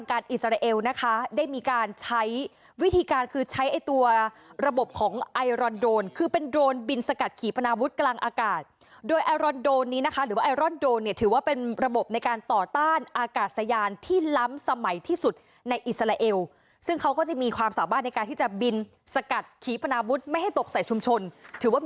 อิสราเอลนะคะได้มีการใช้วิธีการคือใช้ไอ้ตัวระบบของไอรอนโดรนคือเป็นโรนบินสกัดขี่ปนาวุฒิกลางอากาศโดยไอรอนโดรนนี้นะคะหรือว่าไอรอนโดรนเนี่ยถือว่าเป็นระบบในการต่อต้านอากาศยานที่ล้ำสมัยที่สุดในอิสราเอลซึ่งเขาก็จะมีความสามารถในการที่จะบินสกัดขีปนาวุฒิไม่ให้ตกใส่ชุมชนถือว่ามี